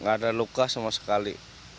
gak ada luka sama sekali